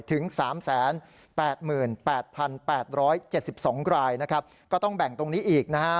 ถึง๓๘๘๗๒รายนะครับก็ต้องแบ่งตรงนี้อีกนะฮะ